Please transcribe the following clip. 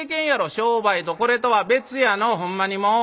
「商売とこれとは別やのほんまにもう。